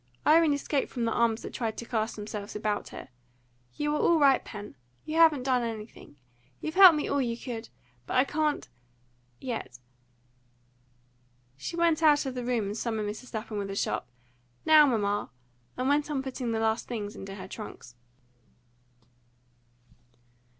Irene escaped from the arms that tried to cast themselves about her. "You are all right, Pen. You haven't done anything. You've helped me all you could. But I can't yet." She went out of the room and summoned Mrs. Lapham with a sharp "Now, mamma!" and went on putting the last things into her trunks.